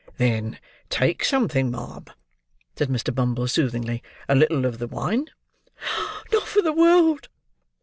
"Then take something, ma'am," said Mr. Bumble soothingly. "A little of the wine?" "Not for the world!"